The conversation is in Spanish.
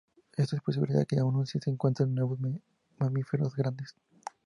Esto es posible, ya que aún se encuentran nuevos mamíferos grandes.